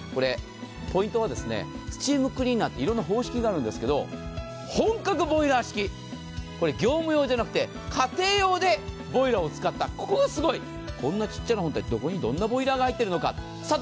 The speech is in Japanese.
ポイントはスチームクリーナーっていろいろな方式があるんですけど本格ボイラー式、これ業務上じゃなくて家庭用で作った、ここがすごい、こんな小さい本体、どこにどんなボイラーが入っているのか？